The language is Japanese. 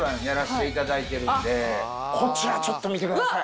こちらちょっと見てください。